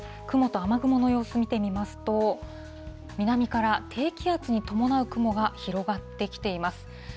雲と雨雲の様子、見てみますと、南から低気圧に伴う雲が広がってきています。